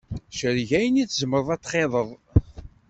Cerreg ayen i tzemreḍ ad t-txiḍeḍ.